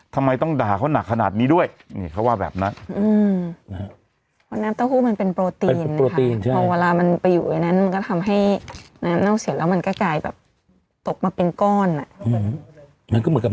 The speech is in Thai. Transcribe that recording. ทำไมต้องด่าเขาหนักขนาดนี้ด้วยนี่เขาว่าแบบนั้น